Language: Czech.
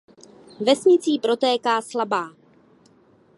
Vesnicí protéká Slabá.